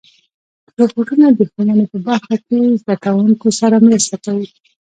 روبوټونه د ښوونې په برخه کې زدهکوونکو سره مرسته کوي.